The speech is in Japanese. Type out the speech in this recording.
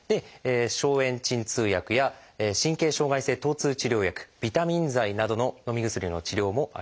消炎鎮痛薬や神経障害性とう痛治療薬ビタミン剤などののみ薬の治療もあります。